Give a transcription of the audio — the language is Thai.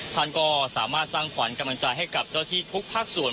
ท่านก็สามารถสร้างขวัญกำลังใจให้กับเจ้าที่ทุกภาคส่วน